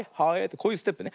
こういうステップね。